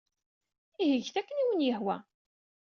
Ihi get akken ay awen-yehwa.